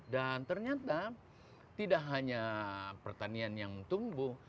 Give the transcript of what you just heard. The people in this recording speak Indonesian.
dan ternyata tidak hanya pertanian yang tumbuh